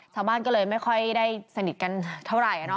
ชาวบ้านก็เลยไม่ค่อยได้สนิทกันเท่าไหร่